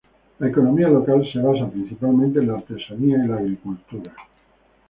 La economía local se basa principalmente en la artesanía y la agricultura